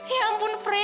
ya ampun pri